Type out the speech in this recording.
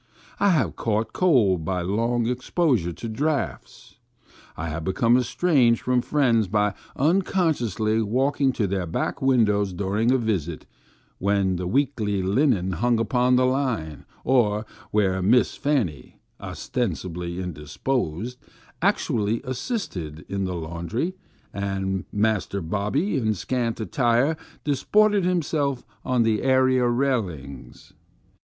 I have caught cold by long exposure to draughts. I have become estranged from friends by uncon sciously walking to their back windows during a visit, when the weekly linen hung upon the line, or where Miss Fanny (ostensibly indisposed) actu ally assisted in the laundry, and Master Bobby, in scant attire, disported himself on the area railings.